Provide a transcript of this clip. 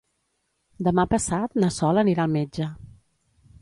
Demà passat na Sol anirà al metge.